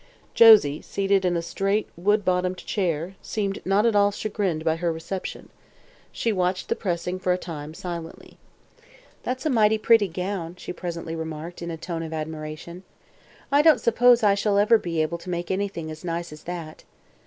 Josie, seated in a straight, wood bottomed chair, seemed not at all chagrined by her reception. She watched the pressing for a time silently. "That's a mighty pretty gown," she presently remarked, in a tone of admiration. "I don't suppose I shall ever be able to make anything as nice as that.